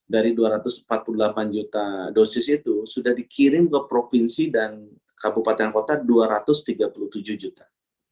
dari dua ratus empat puluh delapan juta dosis itu sudah dikirim ke provinsi dan kabupaten kota dua ratus tiga puluh tujuh juta